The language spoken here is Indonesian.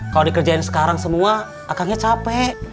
kalau dikerjain sekarang semua akannya capek